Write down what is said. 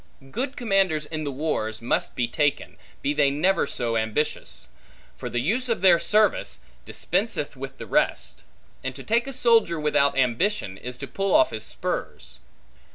Good commanders in the wars must be taken, be they never so ambitious; for the use of their service, dispenseth with the rest; and to take a soldier without ambition, is to pull off his spurs.